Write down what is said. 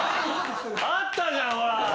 あったじゃんほら。